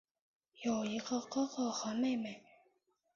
有一个哥哥和妹妹。